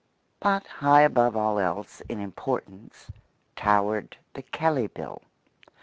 But high above all else in importance towered the Kelley Bill.